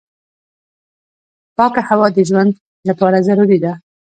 پاکه هوا د ژوند لپاره ضروري ده.